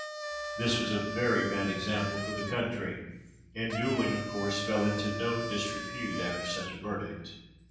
This was a very bad example for the country, and duelling of course fell into no disrepute after such a verdict.